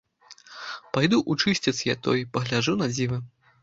Пайду ў чысцец я той, пагляджу на дзівы!